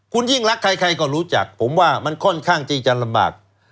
คุณยิ่งรักใครก็รู้จักผมว่ามันค่อนข้างที่จะลำบาก